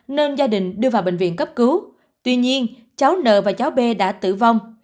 nên gia đình đưa vào bệnh viện cấp cứu tuy nhiên cháu n và cháu b đã tử vong